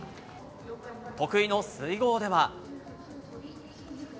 得意の水濠では。